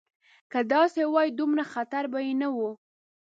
که داسې وای دومره خطر به یې نه و.